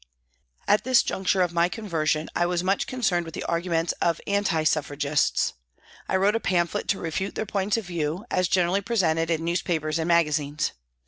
At this juncture of my conversion I was much concerned with the arguments of Anti Suffragists. I wrote a pamphlet to refute their points of view, as generally presented in newspapers and magazines.